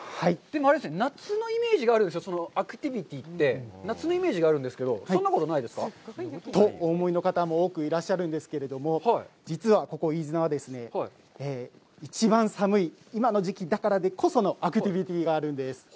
夏のイメージがあるんですよ、アクティビティって夏のイメージがあるんですけど、そんなことないですか？とお思いの方も多くいらっしゃるんですけれども、実は、ここ飯綱はですね、一番寒い、今の時期だからこそのアクティビティがあるんです。